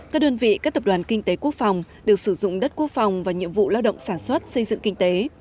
các đơn vị các tập đoàn kinh tế quốc phòng được sử dụng đất quốc phòng và nhiệm vụ lao động sản xuất xây dựng kinh tế